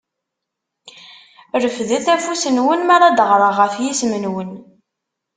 Refdet afus-nwen mara d-aɣreɣ ɣef yisem-nwen.